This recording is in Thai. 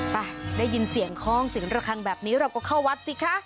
ไปได้ยินเสียงคล่องเสียงระคังแบบนี้เราก็เข้าวัดสิคะ